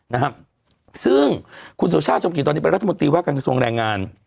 นะครับซึ่งคุณสุชาติชมกิจตอนนี้เป็นรัฐมนตรีว่าการกระทรวงแรงงาน